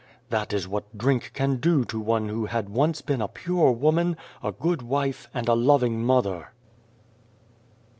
"' That is what drink can do to one who had once been a pure woman, a good wife, and a loving mother.'